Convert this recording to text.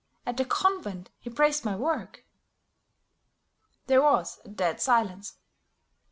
"At the convent he praised my work." There was a dead silence.